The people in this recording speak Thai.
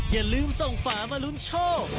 อย่าลืมส่งฝามาลุ้นโชค